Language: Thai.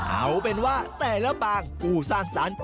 เอาเป็นว่าแต่ละบางผู้สร้างสรรค์